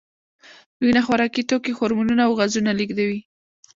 وینه خوراکي توکي، هورمونونه او غازونه لېږدوي.